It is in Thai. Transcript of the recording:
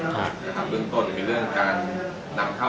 ตอนแรกที่ยินแกนก็